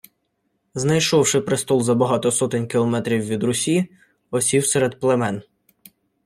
Знайшовши престол за багато сотень кілометрів від Русі, осів серед племен